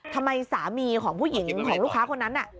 สามีของผู้หญิงของลูกค้าคนนั้นน่ะ